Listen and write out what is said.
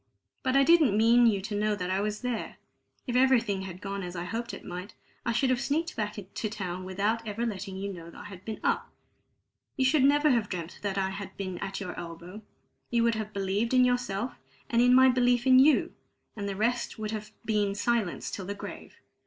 But I didn't mean you to know that I was there; if everything had gone as I hoped it might, I should have sneaked back to town without ever letting you know I had been up. You should never have dreamt that I had been at your elbow; you would have believed in yourself, and in my belief in you, and the rest would have been silence till the grave.